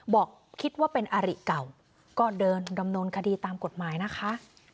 บอกคิดว่าเป็นอาริเก่าก็เดินดำเนินคดีตามกฎหมายนะคะ